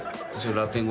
ラテン語。